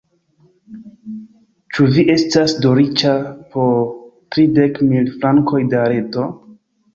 Ĉu vi estas do riĉa po tridek mil frankoj da rento?